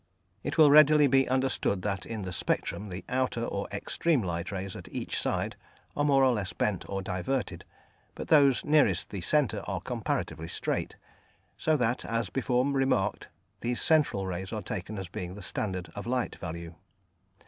It will readily be understood that in the spectrum the outer or extreme light rays at each side are more or less bent or diverted, but those nearest the centre are comparatively straight, so that, as before remarked, these central rays are taken as being the standard of light value.